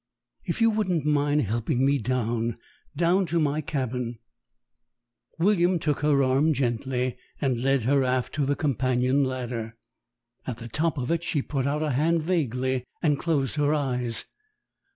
"If you wouldn't mind helping me down down to my cabin " William took her arm gently and led her aft to the companion ladder. At the top of it she put out a hand vaguely and closed her eyes.